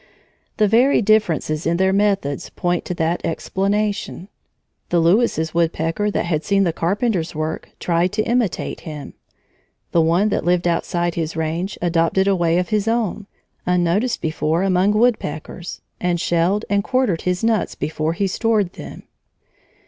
The very differences in their methods point to that explanation. The Lewis's woodpecker that had seen the Carpenter's work tried to imitate him; the one that lived outside his range adopted a way of his own, unnoticed before among woodpeckers, and shelled and quartered his nuts before he stored them.